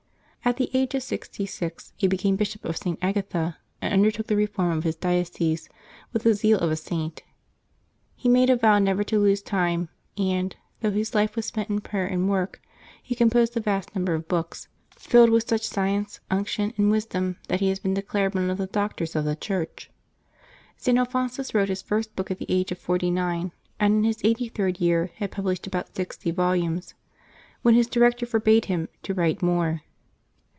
At the age of sixty six he became Bishop of St. Agatha, and undertook the reform of his diocese with the zeal of a Saint. He made a vow never to lose time, and, though his life was spent in prayer and work, he composed a vast number of books, filled with such science, unction, and wisdom that he has been declared one of the Doctors of the Church. St. Alphonsus wrote his first book at the age of forty nine, and in his eighty third year had published about sixty volumes, when his director forbade him to write more.